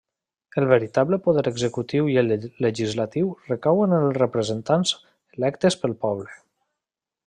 El veritable poder executiu i el legislatiu recauen en els representants electes del poble.